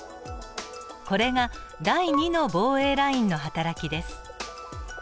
これが第２の防衛ラインのはたらきです。